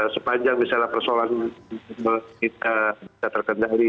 sepanjang misalnya personal kita terkendali